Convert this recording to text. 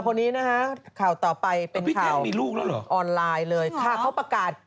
อ่าคนนี้นะฮะข่าวต่อไปเป็นข่าวออนไลน์เลยค่ะเขาประกาศ